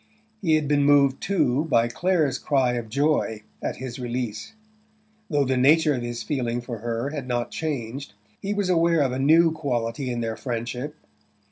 He had been moved, too, by Clare's cry of joy at his release. Though the nature of his feeling for her had not changed he was aware of a new quality in their friendship.